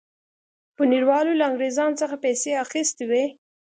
بونیروالو له انګرېزانو څخه پیسې اخیستې وې.